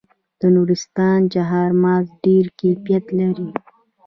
د نورستان چهارمغز ډیر کیفیت لري.